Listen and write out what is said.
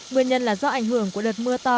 nguyên nhân là do ảnh hưởng của đợt mưa to